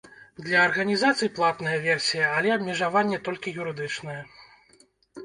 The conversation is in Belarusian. Для арганізацый платная версія, але абмежаванне толькі юрыдычнае.